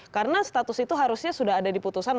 karena status itu harusnya sudah ada di putusan